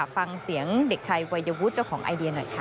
ฟังเสียงเด็กชายวัยวุฒิเจ้าของไอเดียหน่อยค่ะ